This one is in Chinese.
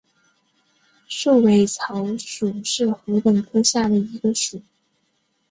束尾草属是禾本科下的一个属。